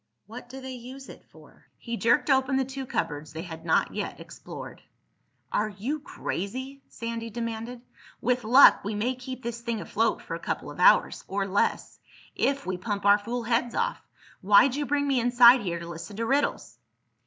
"What do they use it for?" He jerked open the two cupboards they had not yet explored. "Are you crazy?" Sandy demanded. "With luck we may keep this thing afloat for a couple of hours—or less—if we pump our fool heads off. Why'd you bring me inside here to listen to riddles?"